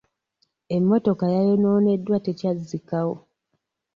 Emmotoka eyayonooneddwa tekyazzikawo.